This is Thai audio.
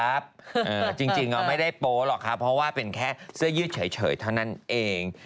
จริงไม่ได้โป๊หรอกครับเพราะว่าเป็นแค่เสื้อยืดเฉยเท่านั้นเอง